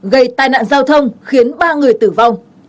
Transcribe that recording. gây tai nạn giao thông khiến ba người tử vong